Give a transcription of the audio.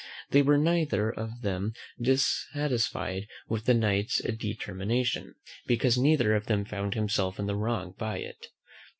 They were neither of them dissatisfied with the Knight's determination, because neither of them found himself in the wrong by it.